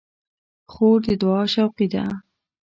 خور د دعا شوقي ده.